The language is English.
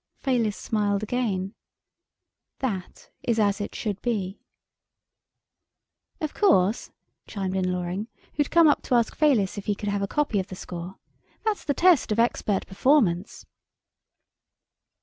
Fayliss smiled again. "That is as it should be." "Of course," chimed in Loring, who'd come up to ask Fayliss if he could have a copy of the score, "that's the test of expert performance."